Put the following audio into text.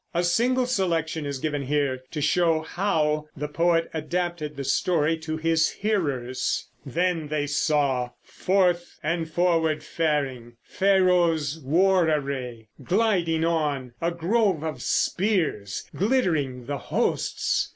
A single selection is given here to show how the poet adapted the story to his hearers: Then they saw, Forth and forward faring, Pharaoh's war array Gliding on, a grove of spears; glittering the hosts!